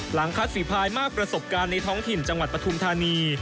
คัดฝีภายมากประสบการณ์ในท้องถิ่นจังหวัดปฐุมธานี